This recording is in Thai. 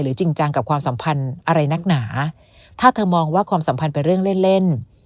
จริงจังกับความสัมพันธ์อะไรนักหนาถ้าเธอมองว่าความสัมพันธ์เป็นเรื่องเล่นเล่น